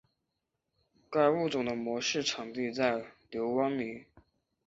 该物种的模式产地在留尼汪。